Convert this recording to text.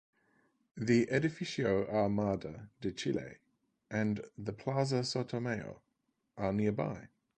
The Edificio Armada de Chile and the Plaza Sotomayor are nearby.